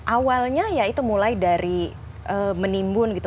awalnya ya itu mulai dari menimbun gitu